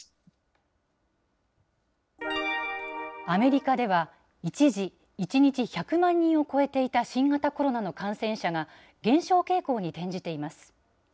アメリカでは、一時、１日１００万人を超えていた新型コロナの感染者が、減少傾向に転じています。